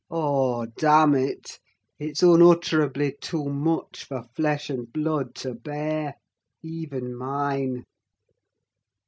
Oh, damn it! It's unutterably too much for flesh and blood to bear—even mine."